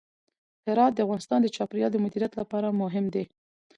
هرات د افغانستان د چاپیریال د مدیریت لپاره مهم دی.